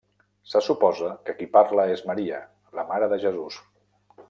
Se suposa que qui parla és Maria, la mare de Jesús.